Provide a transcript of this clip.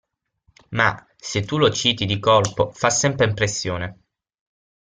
Ma, se tu lo citi di colpo, fa sempre impressione.